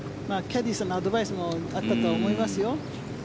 キャディーさんのアドバイスもあったとは思いますよ。